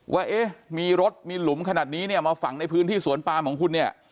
ว่าเอ๊ะมีรถมีหลุมขนาดนี้เนี่ยมาฝังในพื้นที่สวนปามของคุณเนี่ย